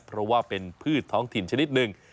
เพราะว่าเป็นพืชท้องถิ่นชนิดหนึ่ง